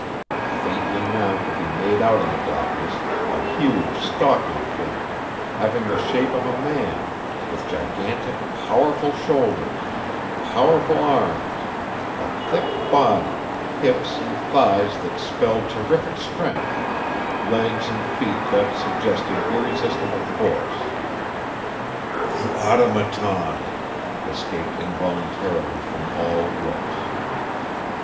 Faintly now could be made out in the blackness a huge, stalking figure, having the shape of a man, with gigantic, powerful shoulders, powerful arms, a thick body, hips, and thighs that spelled terrific strength, legs and feet that suggested irresistible force. "The Automaton!" escaped involuntarily from all lips.